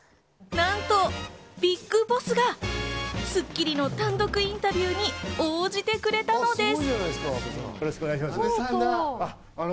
なんとＢＩＧＢＯＳＳが『スッキリ』の単独インタビューに応じてくれたのです。